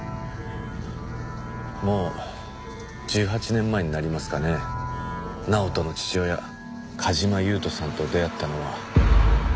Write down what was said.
もう１８年前になりますかね直人の父親梶間優人さんと出会ったのは。